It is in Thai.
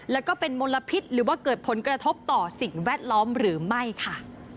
แล้วก็เป็นมลพิษหรือว่าเกิดผลกระทบต่อสิ่งแวดล้อมหรือไม่ค่ะ